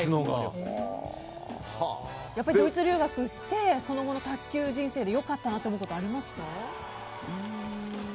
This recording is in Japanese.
ドイツ留学してその後の卓球人生で良かったなと思うことはありますか？